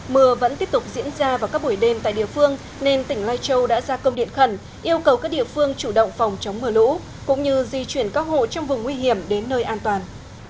mưa vẫn tiếp tục diễn ra vào các buổi đêm tại địa phương nên tỉnh lai châu đã ra công điện khẩn yêu cầu các địa phương chủ động phòng chống mưa lũ cũng như di chuyển các hộ trong vùng nguy hiểm đến nơi an toàn